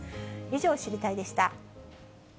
以上、知りたいッ！でした。